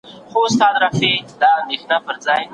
بد فکر زيان لري